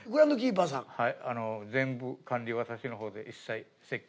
はい。